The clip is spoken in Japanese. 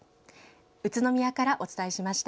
宇都宮からお伝えしました。